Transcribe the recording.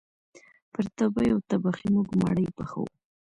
پر تبۍ او تبخي موږ مړۍ پخوو